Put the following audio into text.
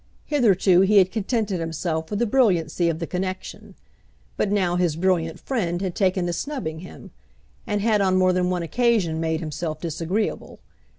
Hitherto he had contented himself with the brilliancy of the connection; but now his brilliant friend had taken to snubbing him, and had on more than one occasion made himself disagreeable.